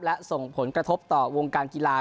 และส่งผลกระทบต่อวงการกีฬา